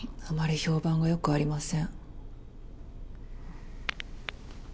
あまり評判がよくありません。